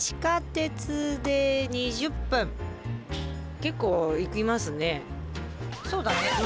結構いきますね。